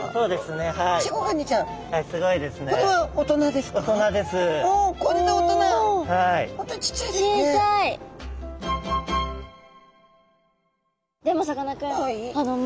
でもさかなクン